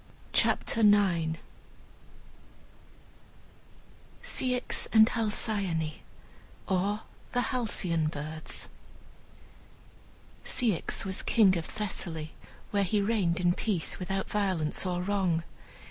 CHAPTER IX CEYX AND HALCYONE: OR, THE HALCYON BIRDS Ceyx was king of Thessaly, where he reigned in peace, without violence or wrong.